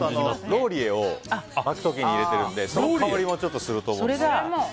ローリエを巻く時に入れてるのでその香りもすると思います。